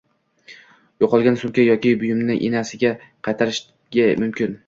Yo‘qolgan sumka yoki buyumni egasiga qaytarishda mumkin.